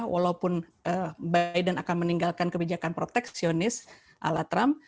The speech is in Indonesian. walaupun biden akan meninggalkan kebijakan proteksionis ala trump